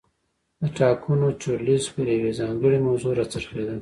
د ټاکنو چورلیز پر یوې ځانګړې موضوع را څرخېده.